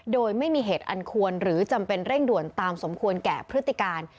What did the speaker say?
โดยไม่มีเหตุอันควรหรือจำเป็นเร่งด่วนตามสมควรแก่พฤติการ